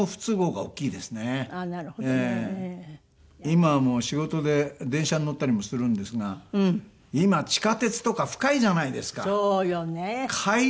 今はもう仕事で電車に乗ったりもするんですが今地下鉄とか深いじゃないですか。